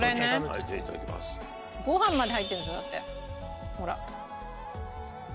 ご飯まで入ってるんですよだってほら。